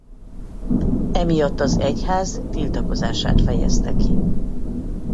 E miatt az egyház tiltakozását fejezte ki.